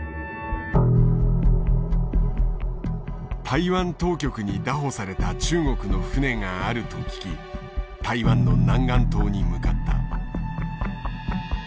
台湾当局に拿捕された中国の船があると聞き台湾の南竿島に向かった。